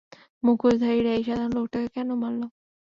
মুখোশধারীরা এই সাধারণ লোকটাকে কেন মারলো?